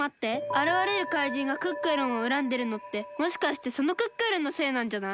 あらわれるかいじんがクックルンをうらんでるのってもしかしてそのクックルンのせいなんじゃない？